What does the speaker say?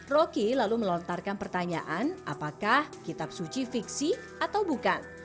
roky lalu melontarkan pertanyaan apakah kitab suci fiksi atau bukan